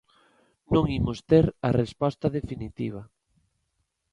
Non imos ter a resposta definitiva.